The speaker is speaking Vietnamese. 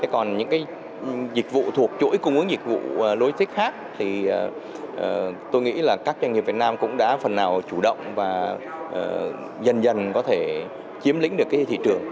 còn những dịch vụ thuộc chuỗi cung ứng dịch vụ logistics khác thì tôi nghĩ là các doanh nghiệp việt nam cũng đã phần nào chủ động và dần dần có thể chiếm lĩnh được thị trường